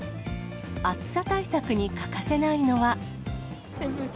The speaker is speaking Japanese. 暑さ対策に欠かせないのは。